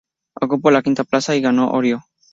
Ocupó la quinta plaza y ganó Orio.